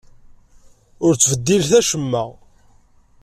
Ur ttbeddilet acemma!